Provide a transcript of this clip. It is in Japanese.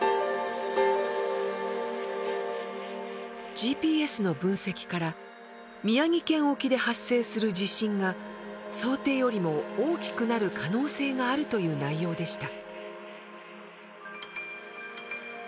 ＧＰＳの分析から宮城県沖で発生する地震が想定よりも大きくなる可能性があるという内容でした。